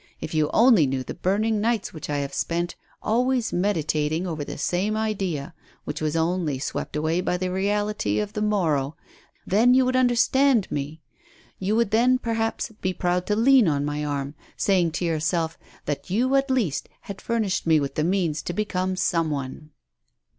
if you only knew the burning nights which I have spent always meditating over the same idea, which was only swept away by the reality of the morrow, then you would understand me! You would then, perhaps, be proud to lean on my arm, saying to yourself that you at least had furnished me with the means to become some one!"